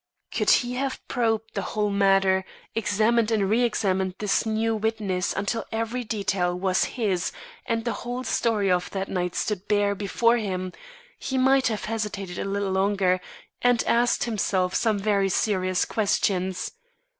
Could he have probed the whole matter, examined and re examined this new witness until every detail was his and the whole story of that night stood bare before him, he might have hesitated a little longer and asked himself some very serious questions.